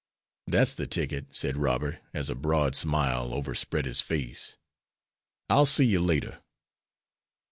"That's the ticket," said Robert, as a broad smile overspread his face. "I'll see you later."